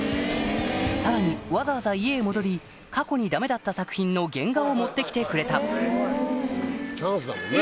さらにわざわざ家へ戻り過去にダメだった作品の原画を持ってきてくれたチャンスだもんね。